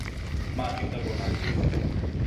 মা, চিন্তা কোরো না, আমি দেখছি।